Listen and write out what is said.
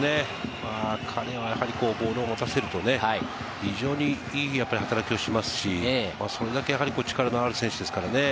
彼はボールを持たせると非常にいい働きをしますし、それだけ力のある選手ですからね。